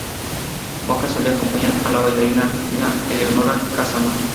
Bocca solía acompañar a la bailarina argentina Eleonora Cassano.